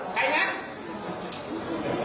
ใครนัด